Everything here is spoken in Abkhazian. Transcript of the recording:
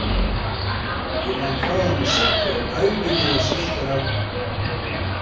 Иманшәалан исықәшәар аҩбагьы ласышьҭыр акәын.